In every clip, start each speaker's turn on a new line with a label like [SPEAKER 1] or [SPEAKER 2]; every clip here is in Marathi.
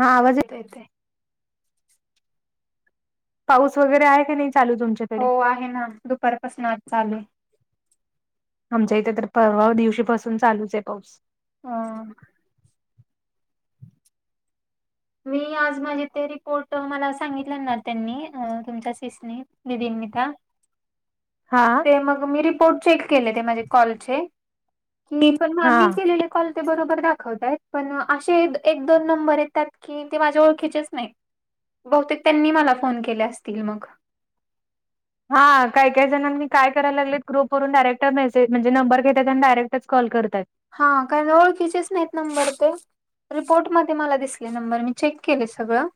[SPEAKER 1] हा आवाज
[SPEAKER 2] येत ते.
[SPEAKER 1] पाऊस वगैरे आहे का नाही चालू तुमच्या?
[SPEAKER 2] हो आहे ना दुपारपासून आज चालेू.
[SPEAKER 1] आमच्या इथे तर, परवा दिवशी पासून चालूच आहे पाऊस.
[SPEAKER 2] हा. मी आज माझे ते रिपोर्ट, मला सांगितले ना त्यांनी तुमच्या सिस्नी दीदींनी त्या
[SPEAKER 1] हा.
[SPEAKER 2] ते मग मी रिपोर्ट चेक केले ते माझे कॉल चे. मी पण
[SPEAKER 1] हा
[SPEAKER 2] मी केलेले कॉल ते बरोबर दाखवताय, पण असे एक -दोन नंबर आहेत त्यात की ते माझ्या ओळखीचेच नाही. बहुतेक त्यांनी मला फोन केले असतील मग.
[SPEAKER 1] हा काही- काही जणांनी काय करायला लागलेत, ग्रुपवरून डायरेक्ट मेसेज म्हणजे नंबर घेतात. त्यां आणि डायरेक्टच कॉल करतात.
[SPEAKER 2] हा कारण ओळखीचेच नाहीत नंबर ते रिपोर्टमध्ये मला दिसले नंबर, मी चेक केले सगळं.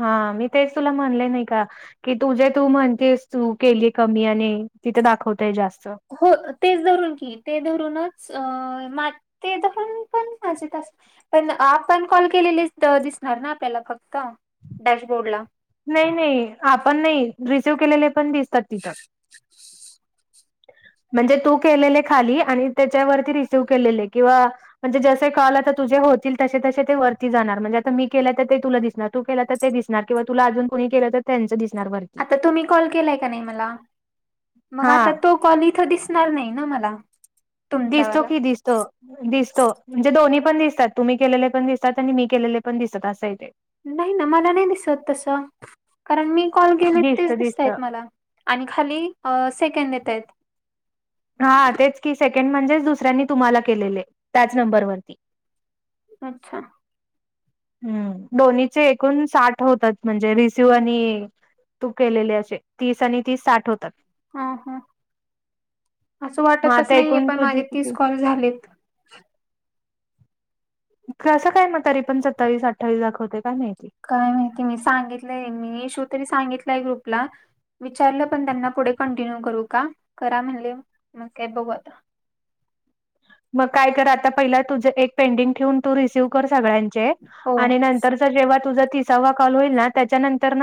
[SPEAKER 1] हा, मी तेच तुला म्हणले नाही का? की तुझे तू म्हणतेस तू केलीय कमी, आणि तिथं दाखवताय जास्त.
[SPEAKER 2] हो तेच धरून की, ते धरूनच मा ते तरून [unintelligible] पण माजेत अस पण आपण कॉल केलेली दिसणार ना त्याला फक्त, डॅशबोर्डला.
[SPEAKER 1] नाही- नाही आपण नाही, रिसिव्ह केलेले पण दिसतात तिथं. म्हणजे तू केलेले खाली आणि त्याच्यावरती रिसिव केलेले किंवा म्हणजे जसे कॉल आता तुझे होतील तसे तसे ते वरती जाणार, म्हणजे आता मी केलं तर ते तुला दिसणार, तू केला तर ते दिसणार किंवा तुला अजून कुणी केलं तर त्यांचं दिसणार वर
[SPEAKER 2] आता तुम्ही कॉल केलाय का नाही मला, मग
[SPEAKER 1] हा
[SPEAKER 2] आता तो कॉल इथं दिसणार नाही ना मला.
[SPEAKER 1] दिसतो
[SPEAKER 2] तुमचावाला
[SPEAKER 1] की, दिसतो. दिसतो, म्हणजे दो्ही पण दिसतात, तुम्ही केलेले पण दिसतात, आणि मी केलेले पण दिसत असं आहे ते.
[SPEAKER 2] नाही ना मला नाही दिसत तसं, कारण मी कॉल केले तेच
[SPEAKER 1] दिसत दिसत
[SPEAKER 2] दिसतायेत मला. आणि खाली सेकंद येतायेत.
[SPEAKER 1] हा तेच की, सेकंड म्हणजेच दुसऱ्यांनी तुम्हाला केलेले त्याच नंबरवररती.
[SPEAKER 2] अच्छा!
[SPEAKER 1] हम्, दोन्हीचे एकूण साठ होतात, म्हणजे रिस्यू आणि तू केलेले असे, तीस आणि तीस साठ होतात.
[SPEAKER 2] हा हा, असं
[SPEAKER 1] मग
[SPEAKER 2] वाटतच
[SPEAKER 1] आता
[SPEAKER 2] नाहीय
[SPEAKER 1] एकूण
[SPEAKER 2] पण
[SPEAKER 1] तुझी
[SPEAKER 2] माजे तीस
[SPEAKER 1] किती
[SPEAKER 2] कॉल झालेत.
[SPEAKER 1] कसं काय मग तरी पण सत्तावीस, अठ्ठावीस, दाखवतंय काय माहित?
[SPEAKER 2] काय माहिती मी सांगितलंय मी, इश्यू तरी सांगितलंय ग्रुपला. विचारलं पण त्यांना पुढे कंटिन्यू करू का? करा म्हणले, मग काय बघू आता.
[SPEAKER 1] मग काय कर आता पहिला तुझ एक पेंडिंग ठेवून, तू रिसीव्ह कर सगळ्यांचे
[SPEAKER 2] हो
[SPEAKER 1] आणि नंतर जेव्हा तुझा तिसावा कॉल होईल ना, त्याच्यानंतरन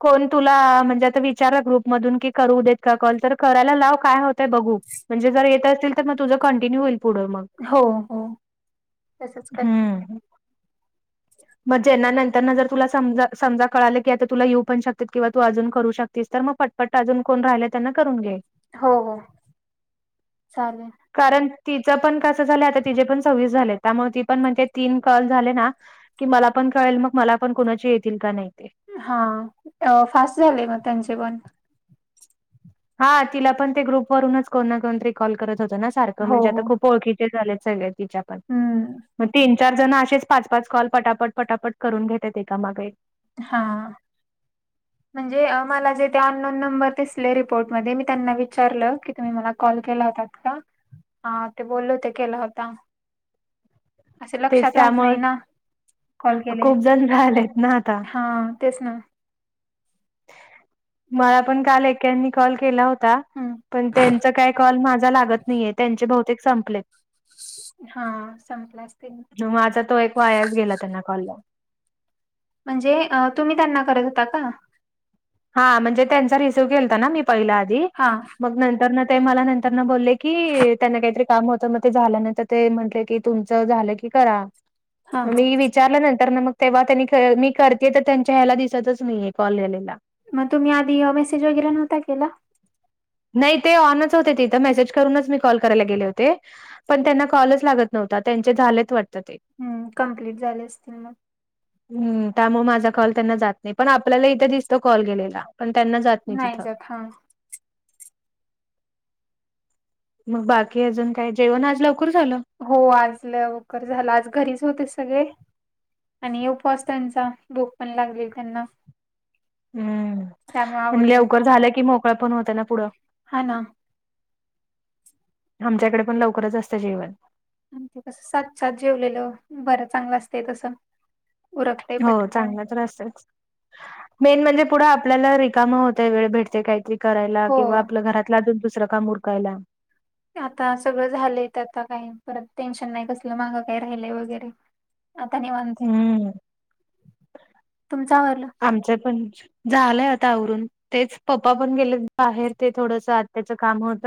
[SPEAKER 1] कोण तुला म्हणजे आता विचारा ग्रुपमधून की करू देत का कॉल, तर करायला लाव काय होत तर बघू म्हणजे जर येत असतील तर मग तुझं कंटिन्यू होईल पुढं मग.
[SPEAKER 2] हो हो, तसंच करते.
[SPEAKER 1] हम्म. मग ज्यांना नंतरन जर तुला समजा -समजा कळालं, की आता तुला येऊ पण शकतेत किंवा तू अजून करू शकतेस तर मग पट पट अजून कोण राहिलंय त्यांना करून घे.
[SPEAKER 2] हो हो, चालेल.
[SPEAKER 1] कारण तिचं पण कसं झालंय आता तिचेे पण सव्वीस झाले. त्यामुळे ती पण म्हणते तीन कॉल झाले ना की मला पण कळेल मग, मला पण कोणाचे येतील का नाही ते.
[SPEAKER 2] हां, फास्ट झाले मग त्यांचे पण.
[SPEAKER 1] हां तिला पण ते ग्रुपवरूनच कोण ना कोणतरी कॉल करत होतं ना सारखं
[SPEAKER 2] हो
[SPEAKER 1] म्हणजे आता
[SPEAKER 2] हो
[SPEAKER 1] खूप ओळखी चे झालेत सगळे तिच्या पण,
[SPEAKER 2] हम्म
[SPEAKER 1] मग तीन चार जण असेच पाच पाच कॉल, पटापट पटापट, करून घेत्यांत एकामागे एक.
[SPEAKER 2] हां!
[SPEAKER 1] [inaudible]
[SPEAKER 2] म्हणजे मला जे ते अननोन नंबर दिसले रिपोर्टमध्ये, मी त्यांना विचारलं की तुम्ही मला कॉल केला होता का हां ते बोलले होते, केला होता. असे
[SPEAKER 1] तेच
[SPEAKER 2] लक्षात राहत नाही, ना कॉल केले.
[SPEAKER 1] गंज झालेत ना आता.
[SPEAKER 2] हां तेच ना.
[SPEAKER 1] मला पण काल एक्यांनी कॉल केला हो ता
[SPEAKER 2] हम्म
[SPEAKER 1] पण त्यांचा काय कॉल माझा लागत नाहीये, त्यांचे बहुतेक संपलेत.
[SPEAKER 2] हां संपले असतील.
[SPEAKER 1] माझा तो एक वायाच गेला, त्यांना कॉल लावून.
[SPEAKER 2] म्हणजे अ तुम्ही त्यांना करत होता का?
[SPEAKER 1] हां म्हणजे त्यांचा रिसीव केलता ना मी पहिलां आधी,
[SPEAKER 2] हा
[SPEAKER 1] मग नंतरन ते मला नंतरन बोलले की त्यांना काहीतरी काम होतं, म ते झाल्यानंतर ते म्हटले की तुमचं झालं - करा
[SPEAKER 2] हा हा
[SPEAKER 1] म मी वि चारल्या नंतर न मग तेव्हा त्यांनी क मी करतेय, तर त्यांच्या ह्याला दिसतच नाहीये, कॉल येलेला.
[SPEAKER 2] म तुम्ही आधी मेसेज वगैरे नव्हता केला?
[SPEAKER 1] नाही ते ऑनच होते तिथं, मेसेज करूनच मी कॉल करायला गेले होते. पण त्यांना कॉलच लागत नव्हता, त्यांचे झालेच वाटतं ते.
[SPEAKER 2] हूं कंप्लीट झाले असतील म.
[SPEAKER 1] हूं त्यामुळे माझा कॉल त्यांना जात नाही, पण आपल्याला इथं दिसतं कॉल गेलेला, पण त्यांना जात नाही तिथं.
[SPEAKER 2] हां!
[SPEAKER 1] म बाकी अजून काय, जेवण आज लवकर झालं?
[SPEAKER 2] हो आज लवकर झालं, आज घरीच होते सगळे. आणि हे उपवास त्यांचा, भूक पण लागलेली त्यांना.
[SPEAKER 1] हूं
[SPEAKER 2] त्यामुळे
[SPEAKER 1] आणि
[SPEAKER 2] आवरले
[SPEAKER 1] लेवकर झालं की मोकळं पण होतं ना पुढं.
[SPEAKER 2] हा ना
[SPEAKER 1] आमच्याकडे पण लवकरच असतं जेवण.
[SPEAKER 2] आणि ते कस सात सात जेवलेलं, बरं चांगला असतेय तसं. उरकतय
[SPEAKER 1] हो
[SPEAKER 2] पटकन
[SPEAKER 1] चांगलं तर असतच. मेन म्हणजे पुढं आपल्याला रिकाम होतय, वेळ भेटतय काहीतरी करायला,
[SPEAKER 2] हो
[SPEAKER 1] किंवा आपल घरात लादून दुसरं काम उरकायला.
[SPEAKER 2] नहीं आता सगळं झालंय, त आता काही परत टेन्शन नाही, कसलं मागं काय राहिलंय वगैरे. आता निवांत आहे,
[SPEAKER 1] हम्म
[SPEAKER 2] तुमच आवरल.
[SPEAKER 1] आमच पणनच. झालंय आता आवरून, तेच पप्पा पण गेलेत बाहेर ते थोडस आत्याचं काम होत.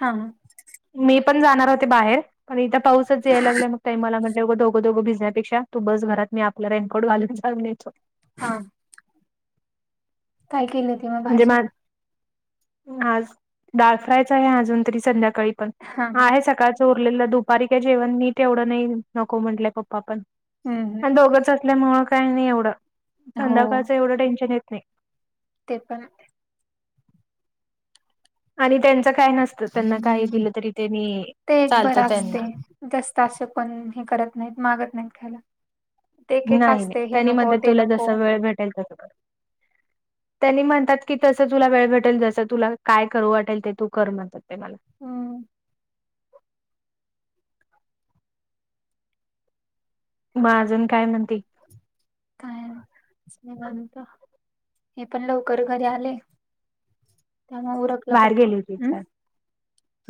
[SPEAKER 2] हां!
[SPEAKER 1] मी पण जाणार होते बाहेर, पण इथं पाऊसच यायला लागलांय मग ताई मला म्हण [unintelligible] दोघं दोघं भिजण्यापेक्षा, तू बस घरात मी आपलं रेनकोट घालून जाऊन येतो.
[SPEAKER 2] हां! काय केली होती म
[SPEAKER 1] म्हणजे
[SPEAKER 2] भाजी?
[SPEAKER 1] माझ आज दाळ फ्रायच आहे अजून तरी संध्याकाळी पण
[SPEAKER 2] हा हा
[SPEAKER 1] आहे सकाळ च उरलेलं दुपारी काय जेवण नीट येवढं नाही, नको म्हटले पप्पा पण
[SPEAKER 2] हम्म हम्म.
[SPEAKER 1] आणि दोघच आसंल्यामुळ काही नाही एवढं,
[SPEAKER 2] हो
[SPEAKER 1] संध्याकाळचं एवढं टेन्शन येत नही.
[SPEAKER 2] ते पण!
[SPEAKER 1] आणि त्यांचं काय नसतं त्यांना काही दिलं तरी त्यांनी
[SPEAKER 2] ते एक
[SPEAKER 1] चालतं
[SPEAKER 2] बरं असते
[SPEAKER 1] त्यांना
[SPEAKER 2] जास्त असं कोण हे करत नाहीत मागत नाहीत ख्यायला
[SPEAKER 1] नाही नाही त्यांनी मणत तुला
[SPEAKER 2] नको
[SPEAKER 1] जसा वेळ भेटेल तसं कर त्यांनी म्हणतात की तसं तुला वेळ भेटेल जसं तुला काय करू वाटेल ते तू कर म्हणतात ते मला
[SPEAKER 2] हम्
[SPEAKER 1] मग अजून काय म्हणती
[SPEAKER 2] काय नाही निवांत हे पण लवकर घरी आले काम उरक
[SPEAKER 1] बाहेर गेली होतीस काय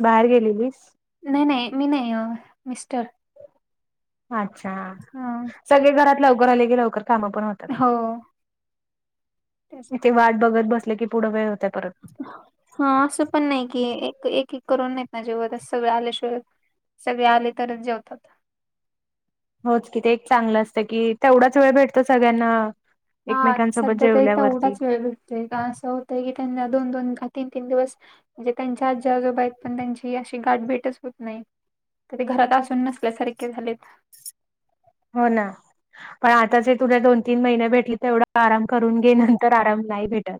[SPEAKER 1] बाहेर गेलेलीस
[SPEAKER 2] नाही नाही मी नाही ओ मिस्टर
[SPEAKER 1] अच्छा
[SPEAKER 2] ह
[SPEAKER 1] सगळे घरात लवकर आले की लवकर काम पण होत
[SPEAKER 2] हो तेच
[SPEAKER 1] ते वाट बघत बसले की पुढ वेळ होत्या परत
[SPEAKER 2] हा असं पण नाही कि एक एक करून नाहीत ना जेवत सगळं आल्याशिवाय सगळे आले तरच जेवतात
[SPEAKER 1] होच कि ते एक चांगलं असतं कि तेवढाच वेळ भेटतो सगळ्यांना
[SPEAKER 2] हा
[SPEAKER 1] एकमेकांसोबत
[SPEAKER 2] सध्या तरी
[SPEAKER 1] जेवल्यावरती
[SPEAKER 2] तेवढाच वेळ भटतोय का असं होतंय की त्यांना दोन दोन का तीन तीन दिवस म्हणजे त्यांच्या आजी आजोबा आहेत पण त्यांची अशी गाठभेटच होत नाही ते घरात असून नसल्यासारखे झालेत
[SPEAKER 1] हो ना पण आता जे तुला दोन तीन महिन भेटले तेवढं आराम करून घे नंतर आराम नाही भेटत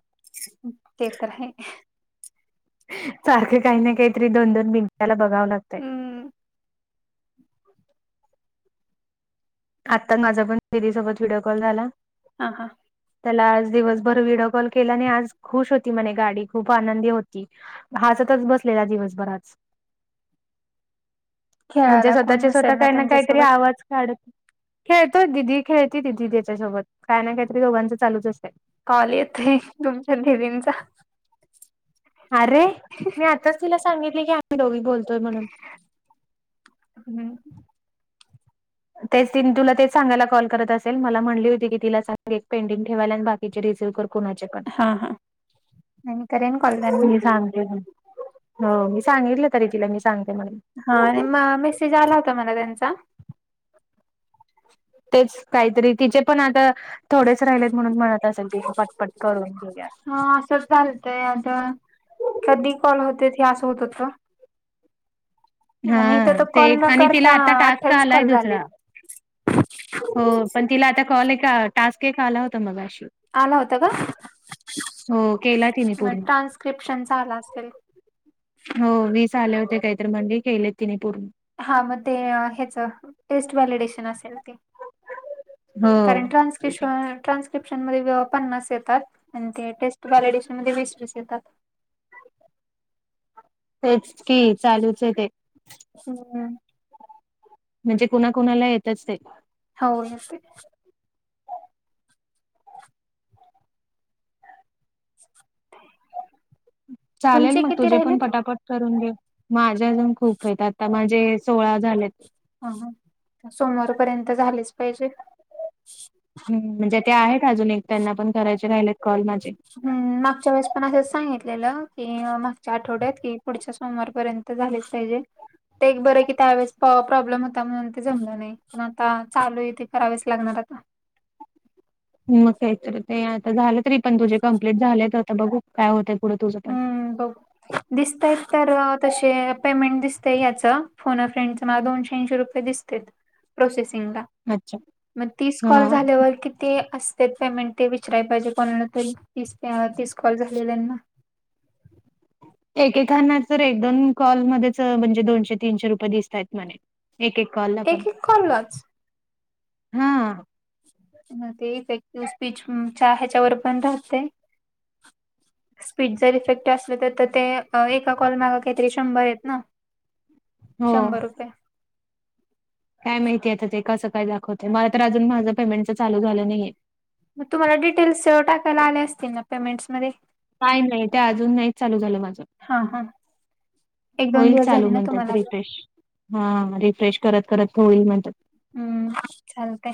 [SPEAKER 2] ते तर आहे
[SPEAKER 1] सारखं काही ना काहीतरी दोन दोन मिनिटाला बघावं लागतंय
[SPEAKER 2] हम्म
[SPEAKER 1] आत्ता माझा पण तेरी सोबत व्हिडिओ कॉल झाला
[SPEAKER 2] हा हा
[SPEAKER 1] त्याला आज दिवसभर व्हिडिओ कॉल केलाने आज खुश होती म्हणे गाडी खूप आनंदी होती हासतच बसलेला दिवसभर आज म्हणजे
[SPEAKER 2] खेळायला कोण
[SPEAKER 1] स्वतःच्या स्वतः
[SPEAKER 2] नसेल
[SPEAKER 1] काही ना काहीतरी
[SPEAKER 2] त्यांच्यासोबत
[SPEAKER 1] आवाज काढत खेळतोय दिदी खेळती ती दिदी त्याच्यासोबत काय ना काही तरी दोघांचं चालूच असते
[SPEAKER 2] कॉल येत तुमच्या दीदींचा
[SPEAKER 1] अरे मी आताच तिला सांगितली की आम्ही दोघी बोलतोय म्हणून
[SPEAKER 2] हम्म
[SPEAKER 1] तेच तिनं तुला ते सांगायला कॉल करत असेल मला म्हटली होती की तिला एक पेंटिंग ठेवायला आणि बाकीचे रिसी व कर कोणाचे पण
[SPEAKER 2] हा हा आणि करेन कॉल त्यांना
[SPEAKER 1] मी सांग हो मी सांगितललं तरी तिला मी सांगते म्हणून
[SPEAKER 2] हा आणि म मेसेज आला होता मला त्यांचा
[SPEAKER 1] तेच काहीतरी तिचे पण आता थोडेच राहिलेत म्हणून म्हणत असेल की पटपट करून घेऊया
[SPEAKER 2] हा असच झाल काय आता कधी पण होते हे असं होतत का
[SPEAKER 1] हा
[SPEAKER 2] इथं तर
[SPEAKER 1] ते
[SPEAKER 2] कॉल न
[SPEAKER 1] आणि तिला
[SPEAKER 2] करता
[SPEAKER 1] आता टास्क
[SPEAKER 2] अठ्ठावीस
[SPEAKER 1] आलाय
[SPEAKER 2] कॉल
[SPEAKER 1] दुसरा
[SPEAKER 2] झालेत
[SPEAKER 1] हो पण तिला आता कॉल एक टास्क एक आला होता मगशी
[SPEAKER 2] आला होता का
[SPEAKER 1] हो केला तिने
[SPEAKER 2] मग
[SPEAKER 1] पूर्ण
[SPEAKER 2] ट्रान्स्क्रिप्शनचा आला असेल
[SPEAKER 1] हो वीस आले होते काहीतरी म्हणे केले तिने पूर्ण
[SPEAKER 2] हा मग ते ह्याच टेस्ट व्हॅलिडेशन असेल ते
[SPEAKER 1] हो
[SPEAKER 2] कारण ट्रान्सकेशन ट्रान क्रिप्शन मध्ये पन्नास येतात आणि ते टेस्ट व्हॅलिडेशन मध्ये वीस वीस येतात.
[SPEAKER 1] तेच की चालूच आहे. ते
[SPEAKER 2] हम्म
[SPEAKER 1] म्हणजे कुणा कुणाला येतच ते
[SPEAKER 2] हौ [inaudible]
[SPEAKER 1] चालेल
[SPEAKER 2] तुमचे
[SPEAKER 1] मग
[SPEAKER 2] किती
[SPEAKER 1] तुझे पण
[SPEAKER 2] राहिलेत?
[SPEAKER 1] पटापट करून घे. माझे अजून खूप आहेत. आता माझे सोळा झालेत
[SPEAKER 2] हा हा सोमवारपर्यंत झालेच पाहिजेत.
[SPEAKER 1] ह म्हणजे ते आहेत अजून एक त्यांना पण करायचे राहिलेत कॉल माझे.
[SPEAKER 2] ह् मागच्या वेळेसपण असंच सांगितलेलं. की मागच्या आठवड्यात कि पुढच्या सोमवारपर्यंत. झालेच पाहिजे ते एक बरं की त्यावेेळेस प्रॉब्लेम होता. म्हणून ते जमलं नाही. पण आता चालू ये ते करावेच लागणार आता.
[SPEAKER 1] मग काय तर ते आता झालं तरी पण तुझे कंप्लीट झालेत आता बघू काय होत.
[SPEAKER 2] हम्म बघू दिसतय तर तसे पेमेंट दिसतय याचं फोन फ्रेंडच मला दोनशे ऐंशी रुपये. पे दिसतेत प्रोसेसिंगला
[SPEAKER 1] अच्छा
[SPEAKER 2] मग तीस
[SPEAKER 1] हा
[SPEAKER 2] कॉल झाल्यावर किती असं. तेच पेमेंट ते विचारय पाहिजे कोणाला तरी तीस प तीस कॉल झालेल्यांना.
[SPEAKER 1] एकेकांना तर एक दोन कॉलमध्येच म्हणजे दोनशे तीनशे रुपये दिसतायत म्हणे एक एक कॉल ला पण
[SPEAKER 2] एक एक कॉललाच
[SPEAKER 1] हा
[SPEAKER 2] मग ते इफेक्टिव्ह स्पीच च ह्याच्यावर पण राहते. स्पीड जर इफेक्ट असले तर तर ते एका कॉल मागा काहीतरी शंभर आहेत. ना
[SPEAKER 1] [inaudible]
[SPEAKER 2] शंभर रुपये
[SPEAKER 1] काय माहिती अता ते कसं काय दाखवतेय मला तर अजून माझं पेमेंटच चालू झालं नाहीये.
[SPEAKER 2] मग तुम्हाला डिटेल्स सेव्ह टाकायला आले असतील. ना पेमेंटस मध्ये
[SPEAKER 1] काय नाही ते अजून नाहीच चालू झालं माझं.
[SPEAKER 2] हा हा. एक दोन
[SPEAKER 1] होईल
[SPEAKER 2] दिवस
[SPEAKER 1] चालू
[SPEAKER 2] झाले ना
[SPEAKER 1] म्हणतात
[SPEAKER 2] तुम्हाला
[SPEAKER 1] रितेश. हा रिफ्रेश करत करत होईल म्हणतात.
[SPEAKER 2] हम्म चालतय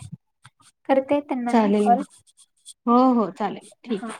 [SPEAKER 2] करते त्यांना मी
[SPEAKER 1] चालेल
[SPEAKER 2] कॉल
[SPEAKER 1] मग हो हो चालेल ठीक
[SPEAKER 2] हा
[SPEAKER 1] आहे.